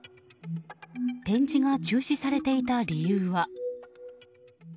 展示が中止されていた理由は。